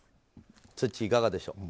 ツッチー、いかがでしょう。